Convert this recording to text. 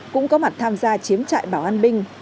cũng có mặt tham gia chiếm trại bảo an binh